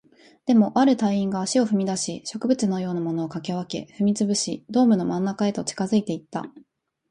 でも、ある隊員が足を踏み出し、植物のようなものを掻き分け、踏み潰し、ドームの真ん中へと近づいていった